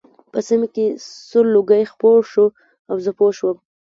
په سیمه کې سور لوګی خپور شو او زه پوه شوم